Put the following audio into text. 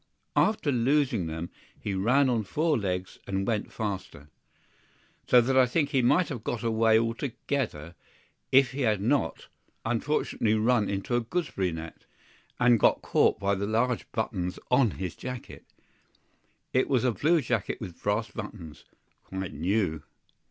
AFTER losing them, he ran on four legs and went faster, so that I think he might have got away altogether if he had not unfortunately run into a gooseberry net, and got caught by the large buttons on his jacket. It was a blue jacket with brass buttons, quite new.